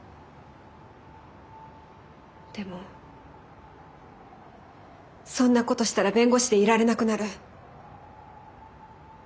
でもそんなことしたら弁護士でいられなくなる。